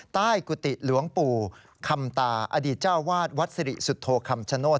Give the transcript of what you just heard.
กุฏิหลวงปู่คำตาอดีตเจ้าวาดวัดสิริสุทธโธคำชโนธ